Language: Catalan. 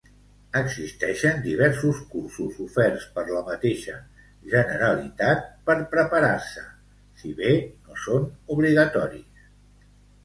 Existeixen diversos cursos oferts per la mateixa Generalitat per preparar-se, si bé no són obligatoris.